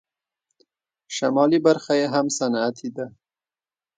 شمالي برخه یې هم صنعتي ده.